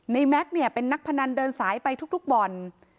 แม็กซ์เนี่ยเป็นนักพนันเดินสายไปทุกบ่อน